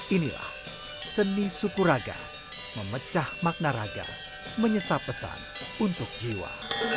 inilah seni suku raga memecah makna raga menyesap pesan untuk jiwa